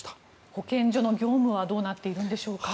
保健所の業務はどうなっているんでしょうか？